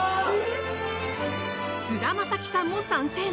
菅田将暉さんも参戦！